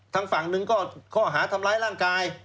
ทางฝั่งหนึ่งก็ข้อหาทำร้ายร่างกาย